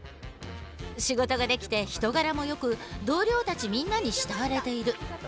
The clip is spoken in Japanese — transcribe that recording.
仕事ができて人柄もよく同僚たちみんなに慕われている。